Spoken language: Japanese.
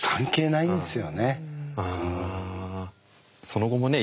その後もね